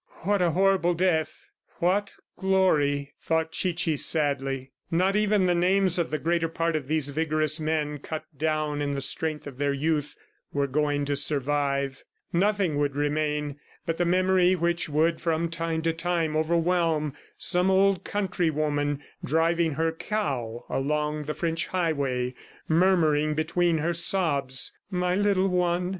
"What a horrible death! ... What glory!" thought Chichi sadly. Not even the names of the greater part of these vigorous men cut down in the strength of their youth were going to survive! Nothing would remain but the memory which would from time to time overwhelm some old countrywoman driving her cow along the French highway, murmuring between her sobs. "My little one! .